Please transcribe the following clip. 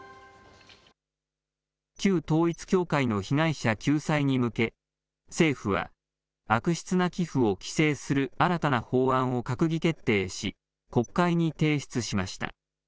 旧統一教会の被害者救済に向け、政府は悪質な寄付を規制する新たな法案を閣議決定し、国会に提出しました。